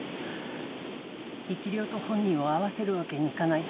生霊と本人を会わせるわけにいかない。